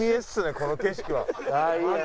この景色は。